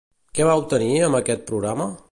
Què va obtenir amb aquest programa?